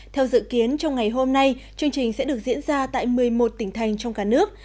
theo dự kiến trong ngày hôm nay chương trình sẽ được diễn ra tại một mươi một tỉnh thành trong cả nước